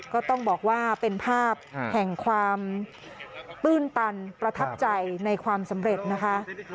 ก็ต้องบอกว่าเป็นภาพแห่งความตื้นตันประทับใจในความสำเร็จนะคะ